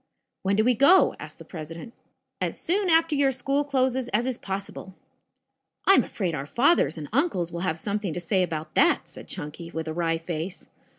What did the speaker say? "When do we go?" asked the president. "As soon after your school closes as is possible." "I am afraid our fathers and uncles will have something to say about that," said Chunky with a wry face.